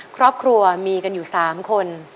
ครอบครัวมีกันอยู่๓คน